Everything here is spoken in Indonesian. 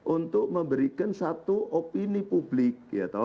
untuk memberikan satu opini publik